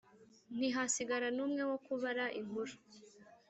ntihasigara n'umwe wo kubara inkuru.